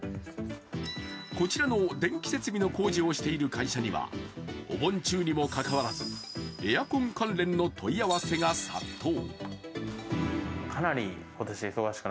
こちらの電気設備の工事をしている会社にはお盆中にもかかわらずエアコン関連の問い合わせが殺到。